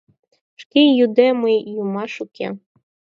Шке йӱде, мый йӱмаш уке.